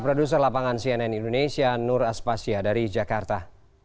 produser lapangan cnn indonesia nur aspasya dari jakarta